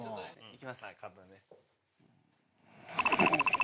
いきます。